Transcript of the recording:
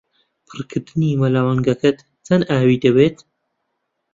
پڕکردنی مەلەوانگەکەت چەند ئاوی دەوێت؟